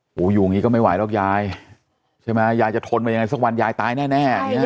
หูอยู่อย่างนี้ก็ไม่ไหวหรอกยายใช่ไหมยายจะทนมายังไงสักวันยายตายแน่